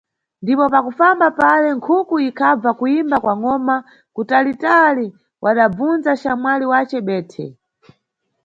Ndipo pakufamba pale, Nkhuku akhabva kuyimba kwa ngʼoma kutalitali, wadabvundza xamwali wace bethe.